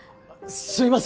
すいません！